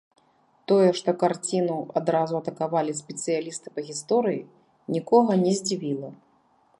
Тое, што карціну адразу атакавалі спецыялісты па гісторыі, нікога не здзівіла.